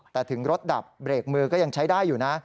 แต่ถึงรถดับเบรกมือก็ยังใช้ได้อยู่นะ